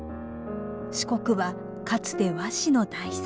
四国はかつて和紙の大産地。